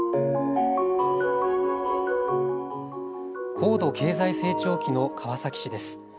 高度経済成長期の川崎市です。